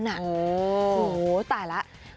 โหตายแล้ว